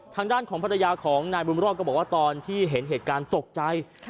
ทางด้านของภรรยาของนายบุญรอดก็บอกว่าตอนที่เห็นเหตุการณ์ตกใจ